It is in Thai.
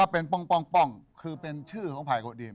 เป็นป้องคือเป็นชื่อของภัยคนอื่น